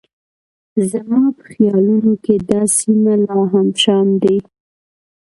زما په خیالونو کې دا سیمه لا هم شام دی.